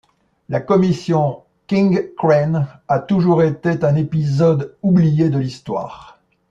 La Commission King-Crane a toujours été un épisode oublié de l'histoire.